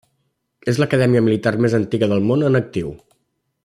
És l'acadèmia militar més antiga del món en actiu.